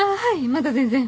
まだ全然。